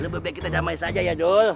lebih baik kita damai saja ya dol